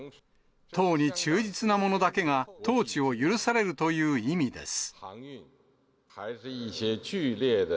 党に忠実な者だけが統治を許されるという意味です。